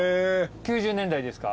９０年代ですか？